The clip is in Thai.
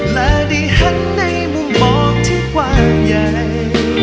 และได้หันในมุมมองที่กว้างใหญ่